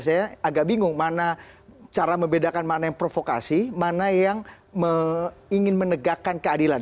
saya agak bingung mana cara membedakan mana yang provokasi mana yang ingin menegakkan keadilan